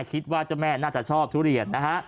คิดว่าเจ้าแม่น่าจะชอบทุเรียนนะฮะ